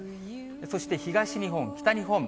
そして東日本、北日本。